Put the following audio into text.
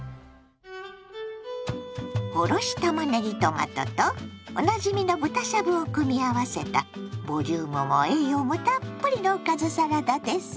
おろしたまねぎトマトとおなじみの豚しゃぶを組み合わせたボリュームも栄養もたっぷりのおかずサラダです。